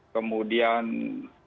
kemudian magetan dan jawa tengah